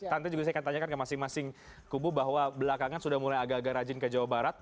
nanti juga saya akan tanyakan ke masing masing kubu bahwa belakangan sudah mulai agak agak rajin ke jawa barat